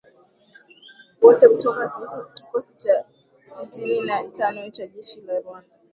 Wote kutoka kikosi cha sitini na tano cha jeshi la Rwanda"